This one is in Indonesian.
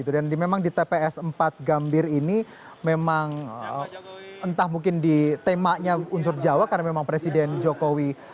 dan memang di tps empat gambir ini memang entah mungkin di temanya unsur jawa karena memang presiden joko widodo